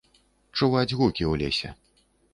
Чуваць гукі ў лесе.